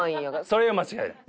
それは間違いない。